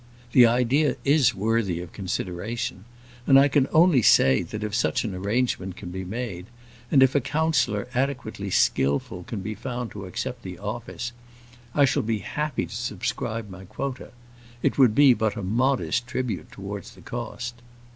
The idea is worthy of consideration, and I can only say, that if such an arrangement can be made, and if a counsellor adequately skilful can be found to accept the office, I shall be happy to subscribe my quota; it would be but a modest tribute towards the cost.